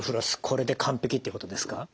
これで完璧ってことですか？